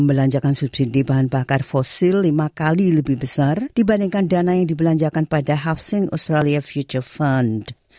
membelanjakan subsidi bahan bakar fosil lima kali lebih besar dibandingkan dana yang dibelanjakan pada hafsing australia future fund